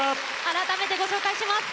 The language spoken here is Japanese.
改めてご紹介します。